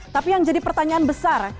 tapi yang jadi pertanyaan besar